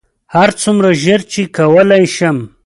هرڅومره ژر چې کولی شم.